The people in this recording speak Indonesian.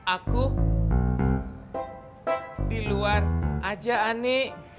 aku di luar aja ani